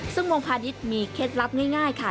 ซึ่งวงพาณิชย์มีเคล็ดลับง่ายค่ะ